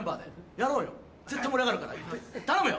やろうよ絶対盛り上がるから頼むよ！